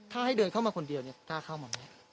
ถ้าให้เดินเข้ามาคนเดียวเนี่ยกล้าเข้ามาไหม